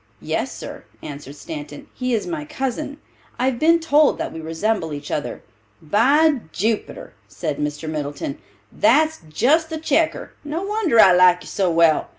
"Yes, sir," answered Stanton, "he is my cousin. I have been told that we resemble each other." "By Jupiter!" said Mr. Middleton, "that's just the checker. No wonder I like you so well.